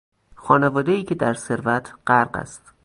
خانوادهای که در ثروت غرق است